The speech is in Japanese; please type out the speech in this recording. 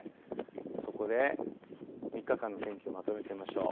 そこで３日間の天気をまとめてみましょう。